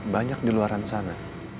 banyak di luar sana